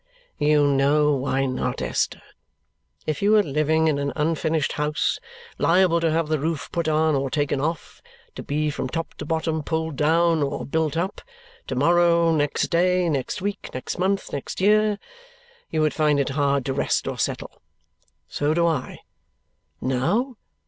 "You know why not, Esther. If you were living in an unfinished house, liable to have the roof put on or taken off to be from top to bottom pulled down or built up to morrow, next day, next week, next month, next year you would find it hard to rest or settle. So do I. Now?